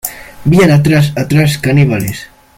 ¡ Bien, atrás! ¡ atrás , caníbales !